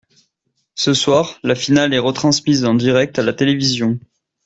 Ce soir, la finale est retransmise en direct à la télévision.